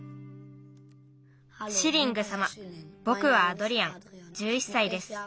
「シリングさま。ぼくはアドリアン１１歳です。